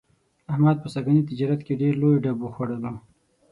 احمد په سږني تجارت کې ډېر لوی ډب وخوړلو.